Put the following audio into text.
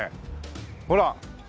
ほら。